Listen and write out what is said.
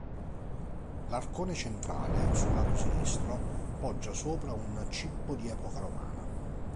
L'arcone centrale, sul lato sinistro, poggia sopra un cippo di epoca romana.